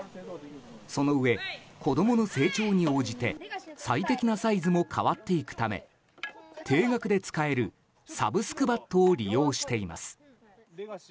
そのうえ、子供の成長に応じて最適なサイズも変わっていくため定額で使えるサブスクバットを利用しています。